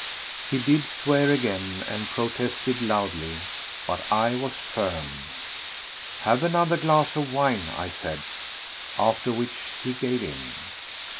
He did swear again and protested loudly. But I was firm. "Have another glass of wine," I said. After which he gave in.